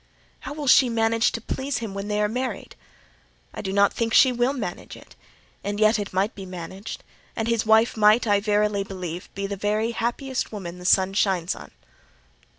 How will she manage to please him when they are married? I do not think she will manage it; and yet it might be managed; and his wife might, I verily believe, be the very happiest woman the sun shines on."